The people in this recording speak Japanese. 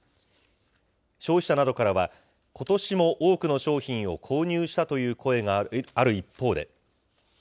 消費者などからは、ことしも多くの商品を購入したという声がある一方で。